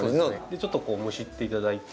ちょっとむしって頂いて。